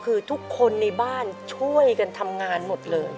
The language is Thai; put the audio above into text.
คือทุกคนในบ้านช่วยกันทำงานหมดเลย